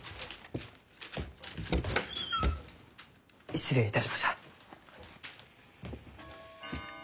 失礼いたしました。